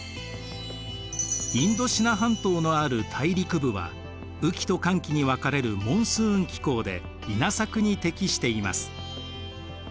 インドシナ半島のある大陸部は雨期と乾期に分かれるモンスーン気候で稲作に適しています。